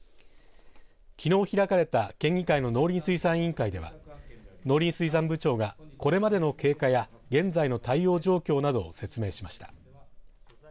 きのう開かれた県議会の農林水産委員会では農林水産部長がこれまでの経過や現在の対応状況などを説明しました。